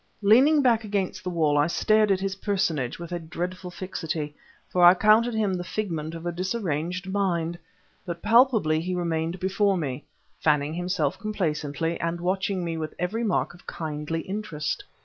Leaning back against the wall, I stared at his personage with a dreadful fixity, for I counted him the figment of a disarranged mind. But palpably he remained before me, fanning himself complacently, and watching me with every mark of kindly interest.